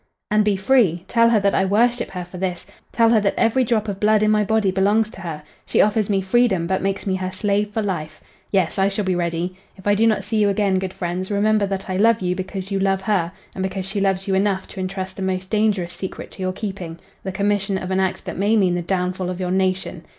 "And be free! Tell her that I worship her for this. Tell her that every drop of blood in my body belongs to her. She offers me freedom, but makes me her slave for life. Yes, I shall be ready. If I do not see you again, good friends, remember that I love you because you love her and because she loves you enough to entrust a most dangerous secret to your keeping, the commission of an act that may mean the downfall of your nation."